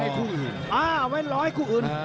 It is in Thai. เอาไว้รอให้คู่อื่น